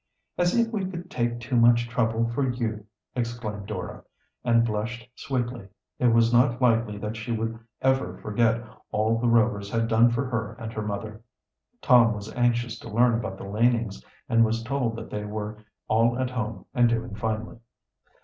"As if we could take too much trouble for you!" exclaimed Dora, and blushed sweetly. It was not likely that she would ever forget all the Rovers had done for her and her mother. Tom was anxious to learn about the Lanings, and was told that they were all at home and doing finely.